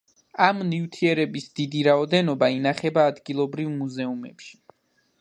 ამ ნივთების დიდი რაოდენობა ინახება ადგილობრივ მუზეუმში.